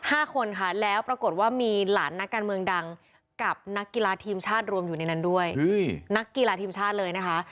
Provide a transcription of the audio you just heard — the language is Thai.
ห้าคนค่ะแล้วปรากฏว่ามีหลานนักการเมืองดังกับนักกีฬาทีมชาติรวมอยู่ในนั้นด้วยอุ้ยนักกีฬาทีมชาติเลยนะคะ